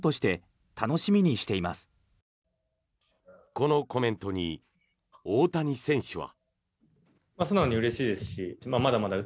このコメントに大谷選手は。